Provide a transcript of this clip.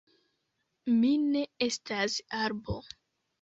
Mi ne estas arbo.